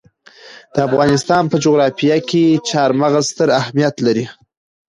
د افغانستان په جغرافیه کې چار مغز ستر اهمیت لري.